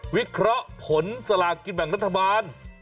วิเคราะห์ผลสลากกินแบ่งรัฐบาล